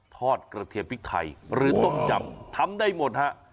กระเทียมพริกไทยหรือต้มยำทำได้หมดฮะ